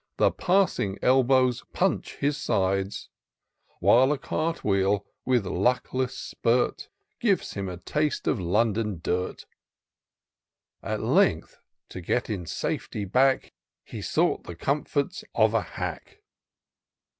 The passing elbows punch his sides ; While a cart wheel, with luckless spirt, (rives him a taste of London dirt: At length, to get in safety back, He sought the comforts of a hack.